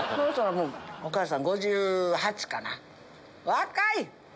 若い！